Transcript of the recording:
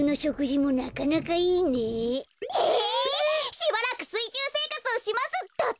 「しばらくすいちゅうせいかつをします」だって。